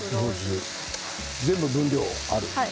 全部、分量がある？